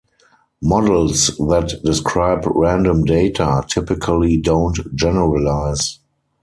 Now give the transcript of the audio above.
Models that describe random data typically don't generalize.